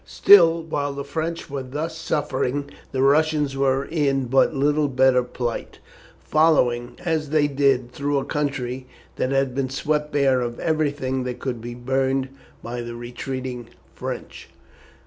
Still, while the French were thus suffering the Russians were in but little better plight, following, as they did, through a country that had been swept bare of everything that could be burned by the retreating French.